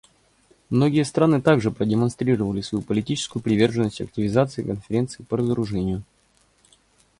Многие страны также продемонстрировали свою политическую приверженность активизации Конференции по разоружению.